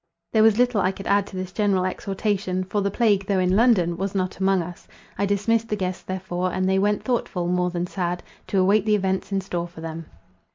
There was little I could add to this general exhortation; for the plague, though in London, was not among us. I dismissed the guests therefore; and they went thoughtful, more than sad, to await the events in store for them.